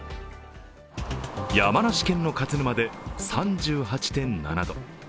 山梨県の勝沼で３８．７度。